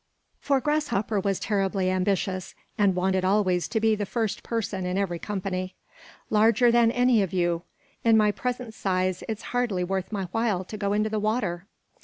For Grasshopper was terribly ambitious and wanted always to be the first person in every company. "Larger than any of you; in my present size it's hardly worth my while to go into the water."